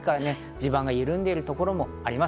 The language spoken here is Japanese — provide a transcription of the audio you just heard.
地盤が緩んでいるところもあります。